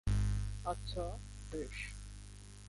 আচ্ছা, বেশ।